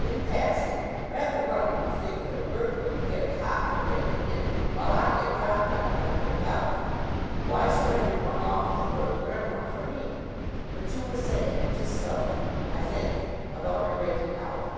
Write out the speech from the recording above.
"In passing, rather rum when you think that a burglar would get it hot for breaking in, while I get dropped on if I break out. Why should there be one law for the burglar and one for me? But you were saying just so. I thank you. About my breaking out.